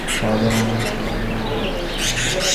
সারাটা দিন এমন একটা বাড়ি মারার অপেক্ষায় ছিলাম।